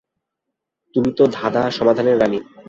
তুমি তো ধাঁধা সমাধানের রাণী।